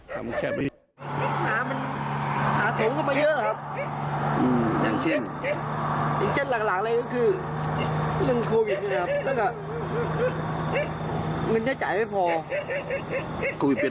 เพราะโควิด